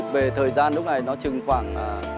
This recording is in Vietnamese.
về thời gian lúc này nó chừng khoảng